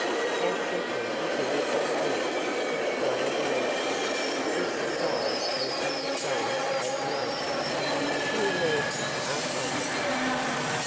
"How simply you do it all, here!" exclaimed Reinstrom in surprise and undisguised admiration. "You Americans are wonderful!"